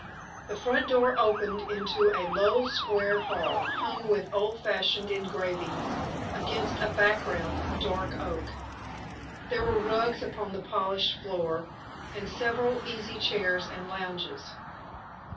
The front door opened into a low, square hall, hung with old fashioned engravings against a background of dark oak. There were rugs upon the polished floor, and several easy chairs and lounges.